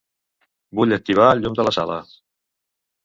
Vull activar el llum de la sala.